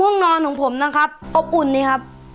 ห้องนอนของผมนะครับอบอุ่นดีครับ